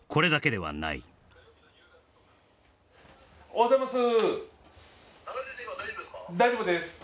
今大丈夫ですか？